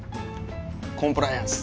コンプライアンス。